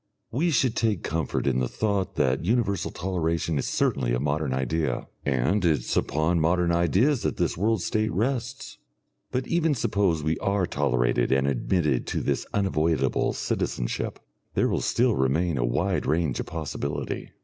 We should take comfort in the thought that universal Toleration is certainly a modern idea, and it is upon modern ideas that this World State rests. But even suppose we are tolerated and admitted to this unavoidable citizenship, there will still remain a wide range of possibility....